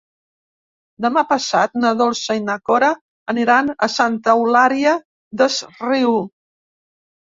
Demà passat na Dolça i na Cora aniran a Santa Eulària des Riu.